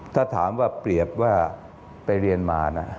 ถ้าถามว่าเปรียบว่าไปเรียนมานะ